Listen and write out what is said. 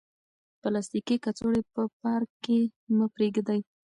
پلاستیکي کڅوړې په پارک کې مه پریږدئ.